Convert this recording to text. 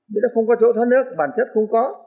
vì nó không có chỗ thoát nước bản chất không có